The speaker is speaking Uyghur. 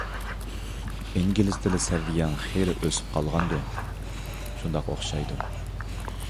_ ئىنگلىز تىلى سەۋىيەڭ خېلى ئۆسۈپ قالغاندۇ؟ _ شۇنداق ئوخشايدۇ.